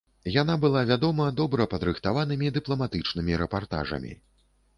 Яна была вядома добра падрыхтаванымі дыпламатычнымі рэпартажамі.